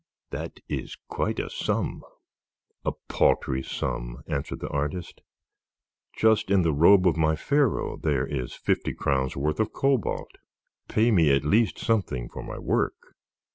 That is quite a sum." "A paltry sum," answered the artist; "just in the robe of my Pharaoh there is fifty crowns' worth of cobalt. Pay me at least something for my work."